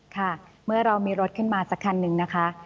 ค่ะเมื่อเรามีรถขึ้นมาสักคันนึงนะคะ